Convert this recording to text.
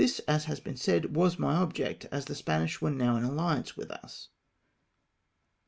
287 as has been said, was my object, as tlie Spaniards were now in alliance with us.